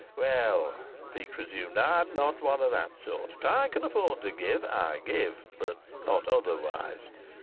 "Well," Peake resumed, "I'm not one of that sort. If I can afford to give, I give; but not otherwise.